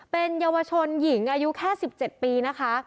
เป็นเยาวชนหญิงอายุแค่๑๗ปีนะคะ